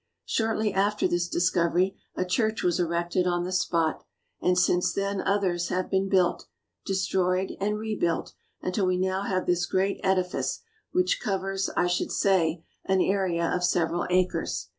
Shortly after this discovery, a church was erected on the spot, and since then others have been built, de stroyed, and rebuilt, until we now have this great edifice which covers, I should say, an area of several acres.